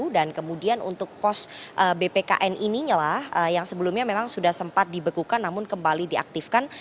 dan kemudian untuk pos bpkn inilah yang sebelumnya memang sudah sempat dibekukan namun kembali diaktifkan